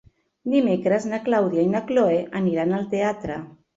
Dimecres na Clàudia i na Cloè aniran al teatre.